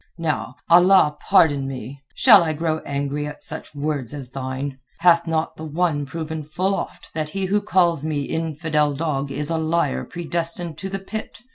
Now, Allah, pardon me! Shall I grow angry at such words as thine? Hath not the One proven full oft that he who calls me infidel dog is a liar predestined to the Pit?